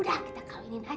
udah kita kahwinin aja